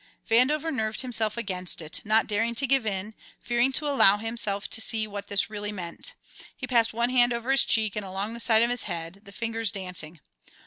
Vandover nerved himself against it, not daring to give in, fearing to allow himself to see what this really meant. He passed one hand over his cheek and along the side of his head, the fingers dancing.